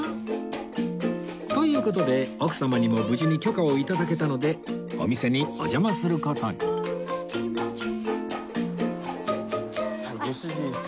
という事で奥様にも無事に許可を頂けたのでお店にお邪魔する事に